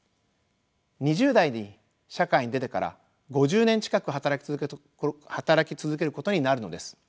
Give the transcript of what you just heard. ２０代に社会に出てから５０年近く働き続けることになるのです。